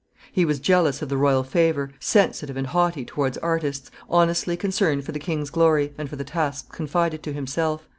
He was jealous of the royal favor, sensitive and haughty towards artists, honestly concerned for the king's glory and for the tasks confided to himself.